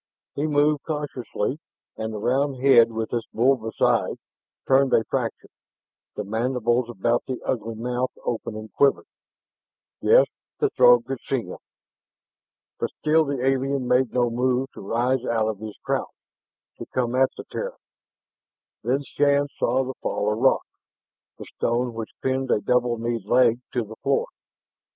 He moved cautiously. And the round head, with its bulbous eyes, turned a fraction; the mandibles about the the ugly mouth opening quivered. Yes, the Throg could see him. But still the alien made no move to rise out of his crouch, to come at the Terran. Then Shann saw the fall of rock, the stone which pinned a double kneed leg to the floor.